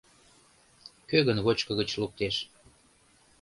Кӧ гын вочко гыч луктеш?